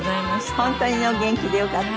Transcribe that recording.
本当にねお元気でよかった。